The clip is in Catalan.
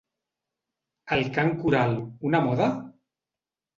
El cant coral, una moda?